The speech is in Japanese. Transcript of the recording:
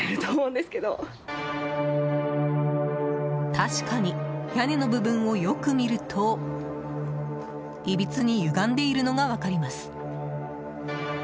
確かに屋根の部分をよく見るといびつにゆがんでいるのが分かります。